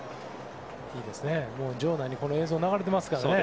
場内に映像が流れていますからね。